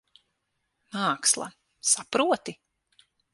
Māksla. Saproti?